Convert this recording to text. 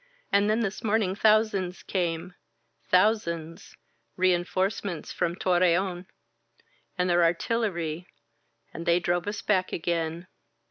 And then this morning thousands came — thou sands — reinforcements from Torreon — and their artil lery — and they drove us back again.